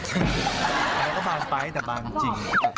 มันก็บางไปแต่บางจริง